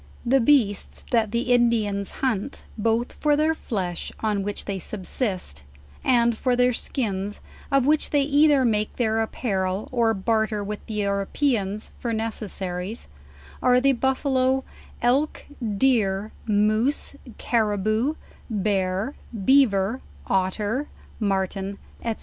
The beasts that the Indians hunt, both for their flesh, on which they subsist, and for their skins, of which they either make their apparel, or barter with the Europeans for neces* saries, are the buffalo, elk, deer, moose, carriboo, bear, bea ver, otter, martin, &c.